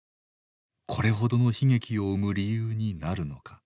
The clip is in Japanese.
これほどの悲劇を生む理由になるのか。